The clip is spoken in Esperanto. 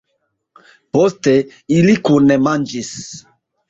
Poste, ili kune manĝis.